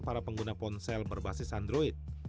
para pengguna ponsel berbasis android